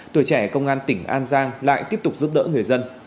tuổi trẻ công an tỉnh an giang lại tiếp tục giúp đỡ người dân